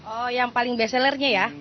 oh yang paling beselernya ya